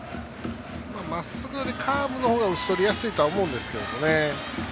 まっすぐよりカーブの方が打ち取りやすいと思うんですけどね。